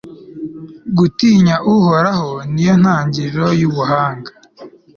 gutinya uhoraho, ni yo ntangiriro y'ubuhanga